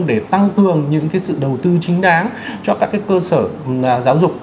để tăng cường những cái sự đầu tư chính đáng cho các cái cơ sở giáo dục